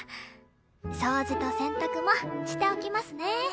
掃除と洗濯もしておきますね。